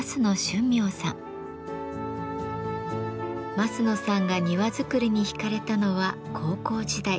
枡野さんが庭作りに引かれたのは高校時代。